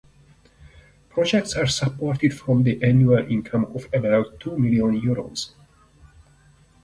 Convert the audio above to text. Projects are supported from the annual income of about two million euros.